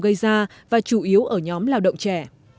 gây ra và chủ yếu ở nhóm lao động trẻ